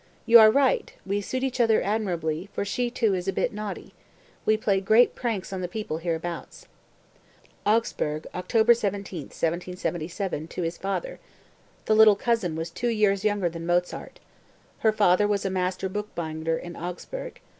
You are right, we suit each other admirably, for she, too, is a bit naughty. We play great pranks on the people hereabouts." (Augsburg, October 17, 1777, to his father. The "little cousin" was two years younger than Mozart. Her father was a master bookbinder in Augsburg.